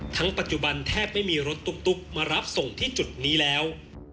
ปัจจุบันแทบไม่มีรถตุ๊กมารับส่งที่จุดนี้แล้ว